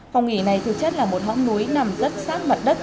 phòng nghỉ này thực chất là một mõng núi nằm rất sát mặt đất